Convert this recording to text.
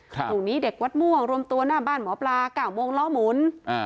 พรุ่งนี้เด็กวัดม่วงรวมตัวหน้าบ้านหมอปลา๙โมงล้อหมุน